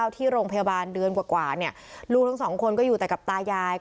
ที่โรงพยาบาลเดือนกว่าลูกทั้งสองคนก็อยู่แต่กับตายาย